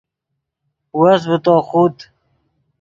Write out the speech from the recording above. وس ڤے تو خوت